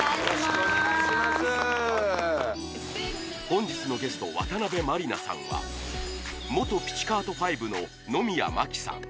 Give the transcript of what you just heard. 本日のゲスト渡辺満里奈さんは元ピチカート・ファイヴの野宮真貴さん